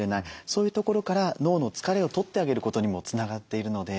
そういうところから脳の疲れを取ってあげることにもつながっているので。